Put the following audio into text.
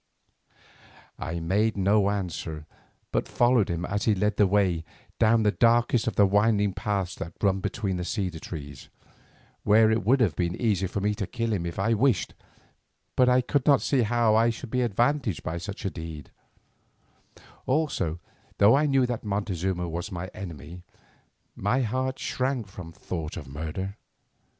I made no answer, but followed him as he led the way down the darkest of the winding paths that run between the cedar trees, where it would have been easy for me to kill him if I wished, but I could not see how I should be advantaged by the deed; also though I knew that Montezuma was my enemy, my heart shrank from the thought of murder.